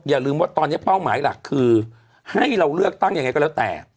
อย่าลืมว่าตอนนี้เป้าหมายหลักคือให้เราเลือกตั้งยังไงก็แล้วแต่